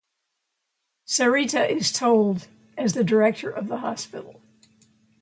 Sarita is told as the director of the hospital.